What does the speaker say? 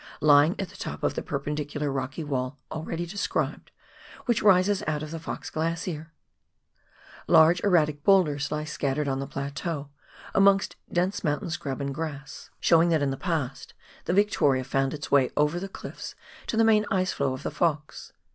lying at the top of the perpendicular rocky wall already described, which rises out of the Fox Glacier. Large erratic boulders lie scattered on the plateau, amongst dense mountain scrub and grass, showing that in the past the 108 PIONEER WORK IN THE ALPS OF NEW ZEALAND. Yictorla found its way over tlie cliffs to the main iceflow of the Fox.